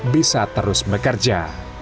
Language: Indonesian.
bisa terus bekerja